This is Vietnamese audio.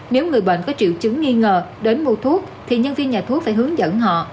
nếu người bệnh có triệu chứng nghi ngờ đến mua thuốc thì nhân viên nhà thuốc phải hướng dẫn họ